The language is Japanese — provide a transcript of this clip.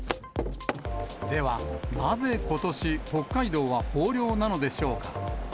では、なぜことし、北海道は豊漁なのでしょうか。